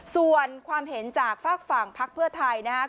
ส่วนความเห็นจากฝากฝั่งภักดิ์เพื่อไทย